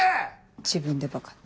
自分で「バカ」って。